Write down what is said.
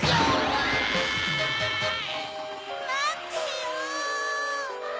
まってよ！